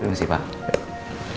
terima kasih pak